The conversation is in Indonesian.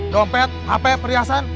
dompet hp perhiasan